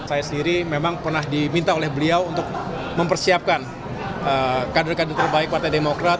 saya sendiri memang pernah diminta oleh beliau untuk mempersiapkan kader kader terbaik partai demokrat